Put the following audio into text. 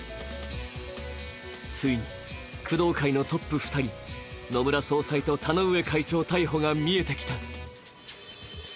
ついに工藤会のトップ２人、野村総裁と田上会長の逮捕が見えてきた。